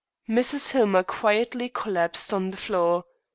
Mrs. Hillmer quietly collapsed on the floor.